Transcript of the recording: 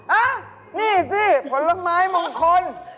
โอ้ยนี่สิฝนละไม้มงคล